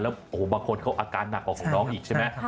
แล้วอาจมีอาการหนักออกของน้องอีกใช่ไหม